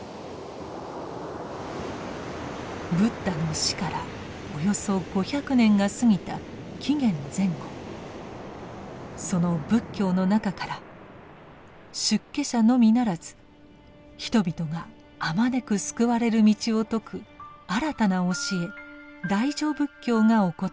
ブッダの死からおよそ５００年が過ぎた紀元前後その仏教の中から出家者のみならず人々があまねく救われる道を説く新たな教え「大乗仏教」が興ってきます。